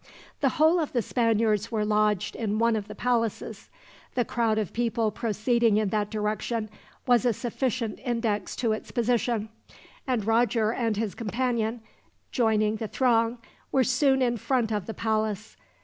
The whole of the Spaniards were lodged in one of the palaces. The crowd of people proceeding in that direction was a sufficient index to its position; and Roger and his companion, joining the throng, were soon in front of the palace.